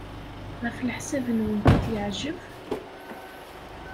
Ɣef leḥsab-nwent, ad t-yeɛjeb?